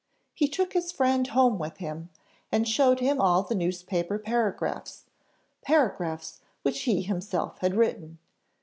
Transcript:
He took his friend home with him, and showed him all the newspaper paragraphs paragraphs which he himself had written!